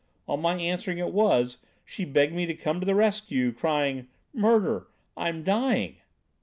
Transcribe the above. On my answering it was, she begged me to come to the rescue, crying, 'Murder! I'm dying!'"